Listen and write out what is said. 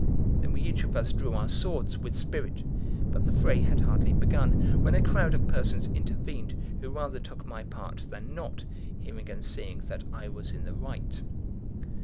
Then we each of us drew our swords with spirit; but the fray had hardly begun when a crowd of persons intervened, who rather took my part than not, hearing and seeing that I was in the right.